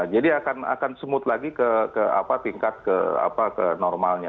jadi akan semut lagi ke tingkat ke normalnya